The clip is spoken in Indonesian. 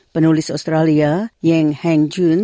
penulis australia yeng heng jun